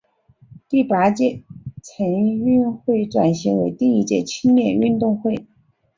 第八届城运会转型为第一届青年运动会。